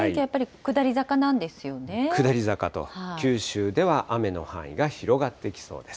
下り坂と、九州では雨の範囲が広がってきそうです。